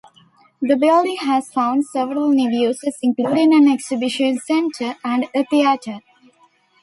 The building has found several new uses, including an exhibition centre and a theater.